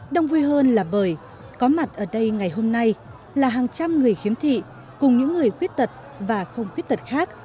đông vui hơn là bởi có mặt ở đây ngày hôm nay là hàng trăm người khiếm thị cùng những người khuyết tật và không khuyết tật khác